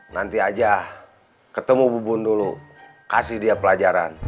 nanti aja ketemu bubun dulu kasih dia pelajaran